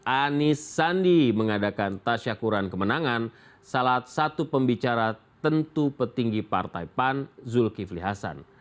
anis sandi mengadakan tasyakuran kemenangan salah satu pembicara tentu petinggi partai pan zulkifli hasan